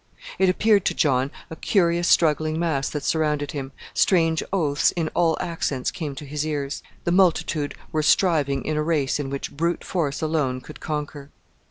It appeared to John a curious struggling mass that surrounded him, strange oaths in all accents came to his ears. The multitude were striving in a race in which brute force alone could conquer.